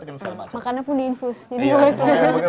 makannya pun diinfuse